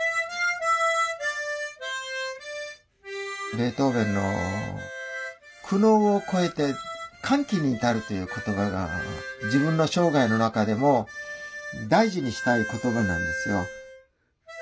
ベートーベンの「苦悩を越えて歓喜に至る」という言葉が自分の生涯の中でも大事にしたい言葉なんですよ。